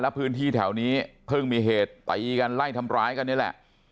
และพื้นที่แถวนี้เพิ่งมีเหตุตีกันไล่ทำร้ายกันนี่แหละ